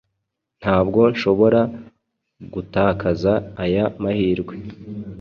Ntabwo nshobora gutakaza aya mahirwe